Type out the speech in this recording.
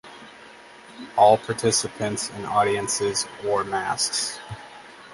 All participants and audiences wore masks.